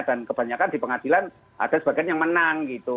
dan kebanyakan di pengadilan ada sebagian yang menang gitu